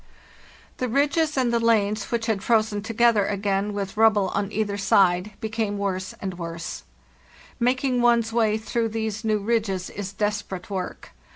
"The ridges and the lanes which had frozen together again, with rubble on either side, became worse and worse. Making one's way through these new ridges is desperate work.